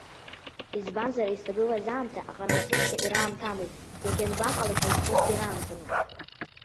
Избанзар, изҭагылаз аамҭа аҟармаҵысқәа ираамҭамызт иагьанбаҟалахьаз урҭ ираамҭаны.